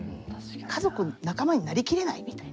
家族仲間になりきれないみたいな。